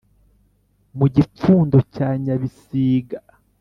Mu Gipfundo cya Nyabisiga